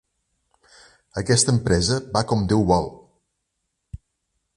Aquesta empresa va com Déu vol!